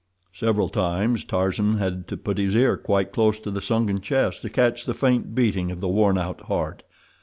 Several times Tarzan had to put his ear quite close to the sunken chest to catch the faint beating of the worn out heart.